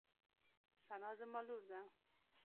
ثنا زما لور ده.